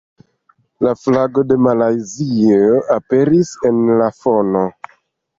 La flago de Malajzio aperis en la fono.